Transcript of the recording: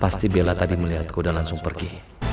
pasti bella tadi melihatku dan langsung pergi